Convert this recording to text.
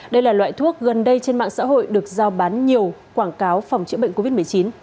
đây là loại thuốc gần đây trên mạng xã hội được giao bán nhiều quảng cáo phòng chữa bệnh covid một mươi chín